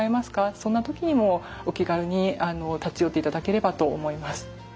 そんな時にもお気軽に立ち寄っていただければと思います。